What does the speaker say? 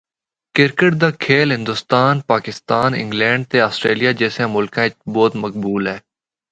کرکٹ دا کھیل ہندوستان، پاکستان، انگلینڈ تے آسٹریلیا جیسیاں ملکاں بچ بہت مقبول اے۔